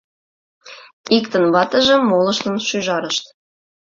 Иктын — ватыже, молыштын — шӱжарышт.